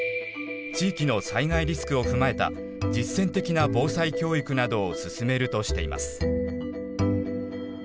地域の災害リスクを踏まえた実践的な防災教育などを進めるとしています。